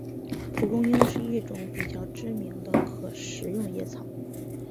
蒲公英是一种比较知名的可食用野草。